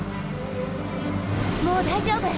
もう大丈夫！